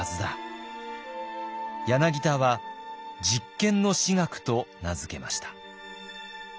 柳田は「実験の史学」と名付けました。